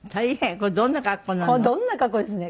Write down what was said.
これどんな格好ですね